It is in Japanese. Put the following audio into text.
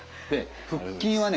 腹筋はね